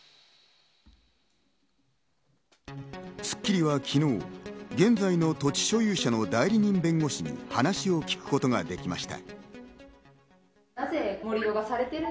『スッキリ』は昨日、現在の土地所有者の代理人弁護士に話を聞くことができました。